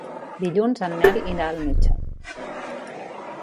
Dilluns en Nel irà al metge.